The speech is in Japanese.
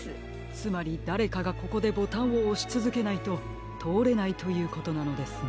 つまりだれかがここでボタンをおしつづけないととおれないということなのですね。